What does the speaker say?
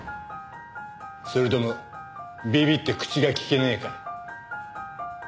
それともビビって口が利けねえか？